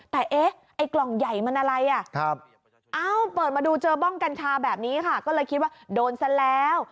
แต่เอ๊ะไอ้กล่องใหญ่มันอะไรอ่ะเอ้าเปิดมาดูเจอบ้องกัญชาแบบนี้ค่ะก็เลยคิดว่าโดนซะแล้ว